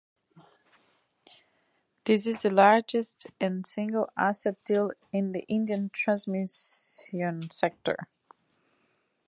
This is the largest single asset deal in the Indian Transmission sector.